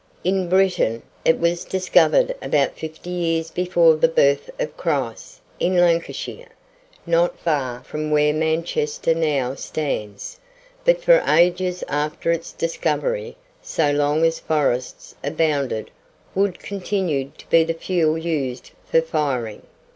In Britain it was discovered about fifty years before the birth of Christ, in Lancashire, not tar from where Manchester now stands; but for ages after its discovery, so long as forests abounded, wood continued to be the fuel used for firing.